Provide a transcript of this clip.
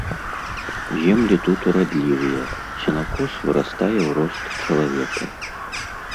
Землі тут урадлівыя, сенакос вырастае ў рост чалавека.